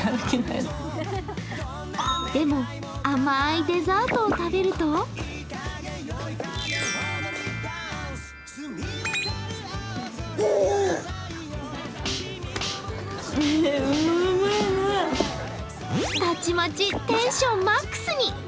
でも、甘いデザートを食べるとたちまちテンションＭＡＸに。